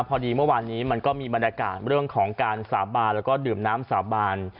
พอดีเมื่อวานนี้มันก็มีบรรยากาศเรื่องของการสาบานแล้วก็ดื่มน้ำสาบาน